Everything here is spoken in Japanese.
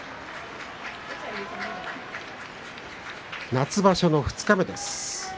夏場所の二日目です。